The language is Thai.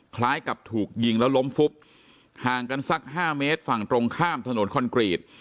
คล้ายกับถูกยิงแล้วล้มฟุบห่างกันสักห้าเมตรฝั่งตรงข้ามถนนคอนกรีต